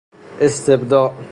استبداع